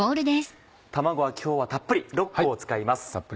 卵は今日はたっぷり６個を使います。